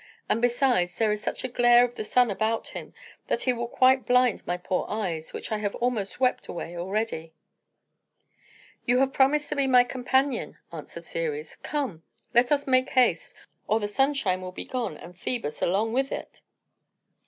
And besides, there is such a glare of the sun about him that he will quite blind my poor eyes, which I have almost wept away already." "You have promised to be my companion," answered Ceres. "Come, let us make haste, or the sunshine will be gone, and Phœbus along with it."